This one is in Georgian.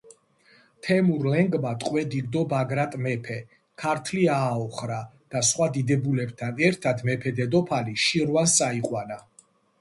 თემურ-ლენგმა ტყვედ იგდო ბაგრატ მეფე, ქართლი ააოხრა და სხვა დიდებულებთან ერთად მეფე-დედოფალი შირვანს წაიყვანა.